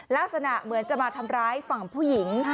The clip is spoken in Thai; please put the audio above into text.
ลักษณะเหมือนจะมาทำร้ายฝั่งผู้หญิง